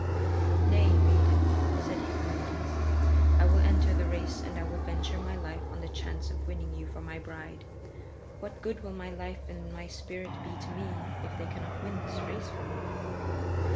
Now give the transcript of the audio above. "Nay, maiden," said Hippomenes, "I will enter the race and I will venture my life on the chance of winning you for my bride. What good will my life and my spirit be to me if they cannot win this race for me?"